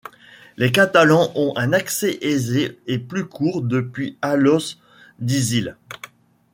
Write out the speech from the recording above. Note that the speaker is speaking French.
Les Catalans ont un accès aisé et plus court depuis Alos d'Isil.